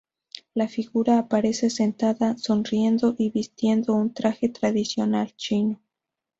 La figura aparece sentada, sonriendo y vistiendo un traje tradicional chino.